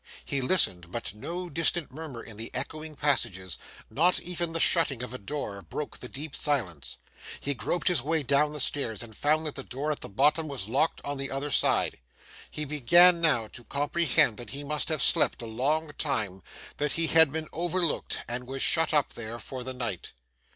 He listened, but no distant murmur in the echoing passages, not even the shutting of a door, broke the deep silence; he groped his way down the stairs, and found that the door at the bottom was locked on the other side. He began now to comprehend that he must have slept a long time, that he had been overlooked, and was shut up there for the night.